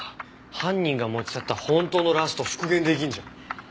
犯人が持ち去った本当のラスト復元出来るじゃん。